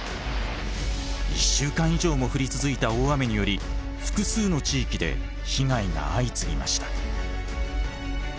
１週間以上も降り続いた大雨により複数の地域で被害が相次ぎました。